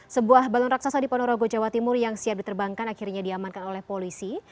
sebuah balon raksasa di ponorogo jawa timur yang siap diterbangkan akhirnya diamankan oleh polisi